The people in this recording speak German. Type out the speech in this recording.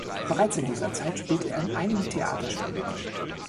Bereits in dieser Zeit spielte er in einigen Theaterstücken.